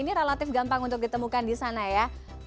ini relatif gampang untuk ditemukan di sana ya